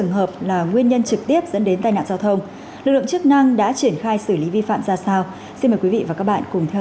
hãy đăng ký kênh để ủng hộ kênh của mình nhé